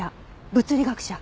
物理学者。